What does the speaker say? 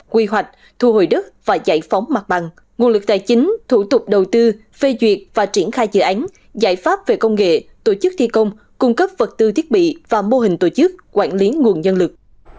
quy hoạch thu hồi đất và giải phóng mặt bằng nguồn lực tài chính thủ tục đầu tư phê duyệt và triển khai dự án giải pháp về công nghệ tổ chức thi công cung cấp vật tư thiết bị và mô hình tổ chức quản lý nguồn nhân lực